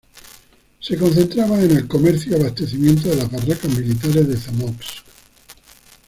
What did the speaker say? Se concentraban en el comercio y abastecimiento de las barracas militares de Zamość.